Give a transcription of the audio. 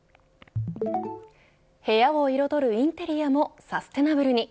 部屋を彩るインテリアもサステナブルに。